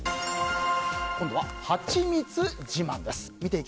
今度は「はちみつじまん」です。